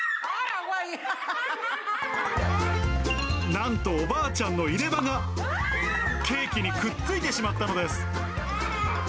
なんと、おばあちゃんの入れ歯がケーキにくっついてしまったのです。